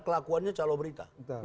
kelakuannya calo berita